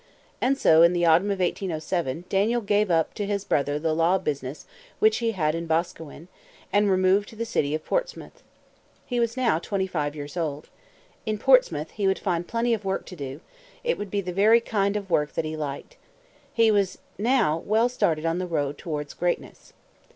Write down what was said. And so, in the autumn of 1807, Daniel gave up to his brother the law business which he had in Boscawen, and removed to the city of Portsmouth. He was now twenty five years old. In Portsmouth he would find plenty of work to do; it would be the very kind of work that he liked. He was now well started on the road towards greatness.